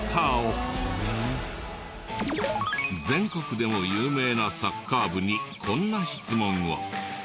全国でも有名なサッカー部にこんな質問を。